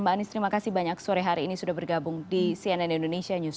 mbak anies terima kasih banyak sore hari ini sudah bergabung di cnn indonesia newsro